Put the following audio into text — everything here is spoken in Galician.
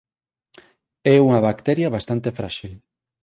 É unha bacteria bastante fráxil.